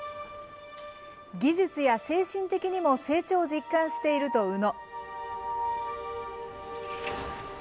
技術や精神的にも成長を実感していると宇野。